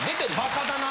バカだな。